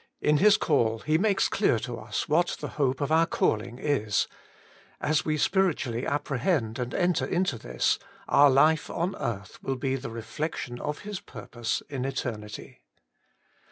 In His call He makes clear to us what the hope of our calling is ; as we spiritually appre hend and enter into this, our life on earbh will be the reflection of His purpose in eternity.